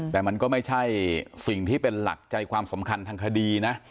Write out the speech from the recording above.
แต่มันก็ไม่ใช่สิ่งที่เป็นหลักใจความสำคัญทางคดีนะ